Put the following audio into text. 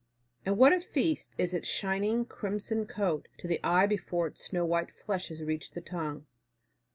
And what a feast is its shining crimson coat to the eye before its snow white flesh has reached the tongue.